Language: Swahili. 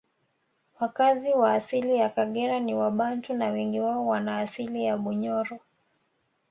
Wakazi wa asili ya Kagera ni wabantu na wengi wao wanaasili ya Bunyoro